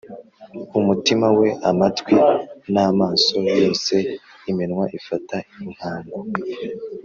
umutima we amatwi n'amaso yose, iminwa ifata inkangu